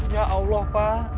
ya allah pak